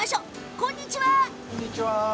こんにちは。